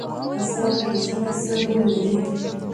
هسته په حجره کې څه رول لري؟